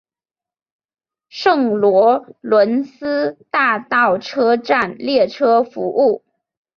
圣罗伦斯大道车站列车服务。